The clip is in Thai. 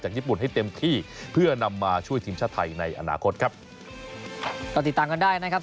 จากญี่ปุ่นให้เต็มที่เพื่อนำมาช่วยทีมชาติไทยในอนาคตนะครับ